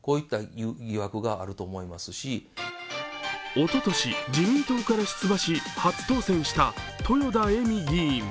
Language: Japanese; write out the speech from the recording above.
おととし、自民党から出馬し初当選した豊田恵美議員。